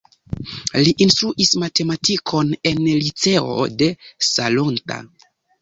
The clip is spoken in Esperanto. Li instruis matematikon en liceo de Salonta.